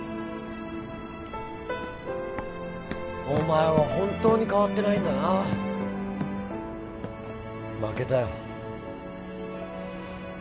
お前は本当に変わってないんだな負けたよ